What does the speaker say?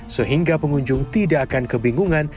sehingga pengunjung tidak akan kebingungan